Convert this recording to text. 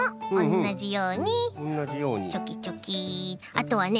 あとはね